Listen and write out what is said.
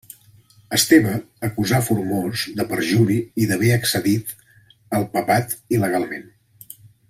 Esteve acusà Formós de perjuri i d'haver accedit al Papat il·legalment.